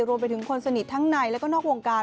รวมไปถึงคนสนิททั้งในแล้วก็นอกวงการ